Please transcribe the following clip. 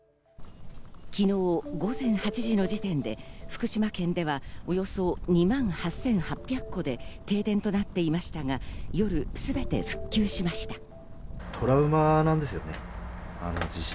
昨日午前８時の時点で福島県ではおよそ２万８８００戸で停電となっていましたが、夜全て復旧しました。